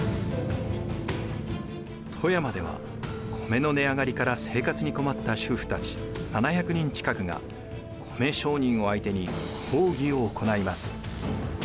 富山では米の値上がりから生活に困った主婦たち７００人近くが米商人を相手に抗議を行います。